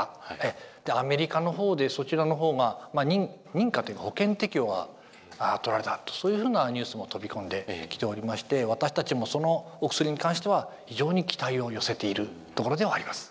アメリカの方でそちらの方が認可というか保険適用がとられたとそういうふうなニュースも飛び込んできておりまして私たちもそのお薬に関しては非常に期待を寄せているところではあります。